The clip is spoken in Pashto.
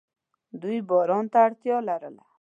دوی باران ته اړتیا لرله.